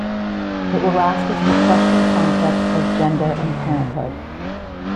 It will ask us to question concepts of gender and parenthood.